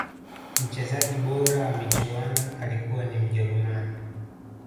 mchezaji bora wa michuano alikuwa ni mjeruman